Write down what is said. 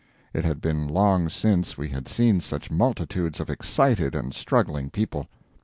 It had been long since we had seen such multitudes of excited and struggling people.